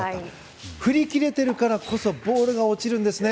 振り切れているからこそボールが落ちるんですね。